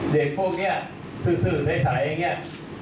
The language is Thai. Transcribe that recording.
เด็กพวกนี้ซื้อใสอย่างนี้